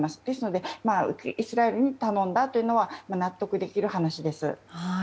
ですので、イスラエルに頼んだというのは納得できる話です。